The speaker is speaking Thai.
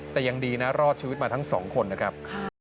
แต่ยังดีนะรอดชีวิตมาทั้งสองคนนะครับ